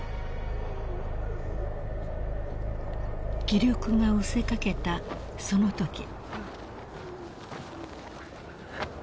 ［気力がうせかけたそのとき］